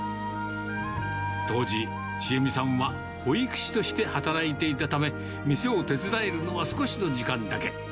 当時、千栄美さんは保育士として働いていたため、店を手伝えるのは少しの時間だけ。